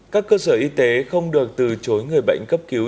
các cơ sở y tế không được từ chối người bệnh cấp cứu